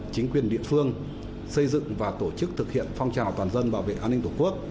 chính quyền địa phương xây dựng và tổ chức thực hiện phong trào toàn dân bảo vệ an ninh tổ quốc